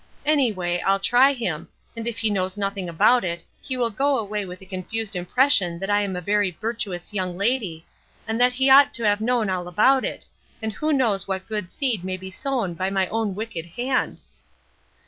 Anyway, I'll try him, and if he knows nothing about it, he will go away with a confused impression that I am a very virtuous young lady, and that he ought to have known all about it; and who knows what good seed may be sown by my own wicked hand?"